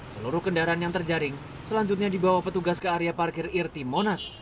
seluruh kendaraan yang terjaring selanjutnya dibawa petugas ke area parkir irti monas